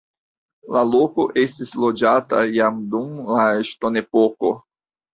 La loko estis loĝata jam dum la ŝtonepoko.